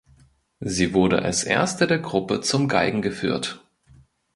Sie wurde als Erste der Gruppe zum Galgen geführt.